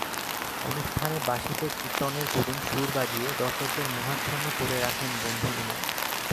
অনুষ্ঠানে বাঁশিতে কীর্তনের করুণ সুর বাজিয়ে দর্শকদের মোহাচ্ছন্ন করে রাখেন বন্ধু ইমন।